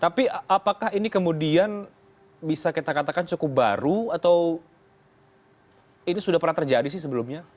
tapi apakah ini kemudian bisa kita katakan cukup baru atau ini sudah pernah terjadi sih sebelumnya